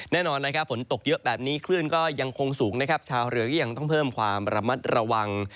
แน่นอนนะครับฝนตกเยอะแบบนี้คลื่นก็ยังคงสูงนะครับชาวเรือก็ยังต้องเพิ่มความระมัดระวัง